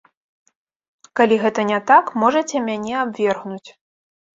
Калі гэта не так, можаце мяне абвергнуць.